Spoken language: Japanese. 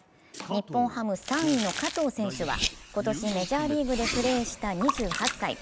日本ハム３位の加藤選手は今年メジャーリーグでプレーした２８歳。